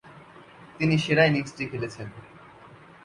তিনি সেরা ইনিংসটি খেলেছেন।